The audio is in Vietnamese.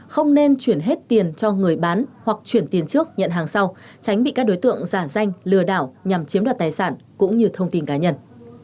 không nên chuyển hết tiền cho người bán hoặc chuyển tiền trước nhận hàng sau tránh bị các đối tượng giả danh lừa đảo nhằm chiếm đoạt tài sản cũng như thông tin cá nhân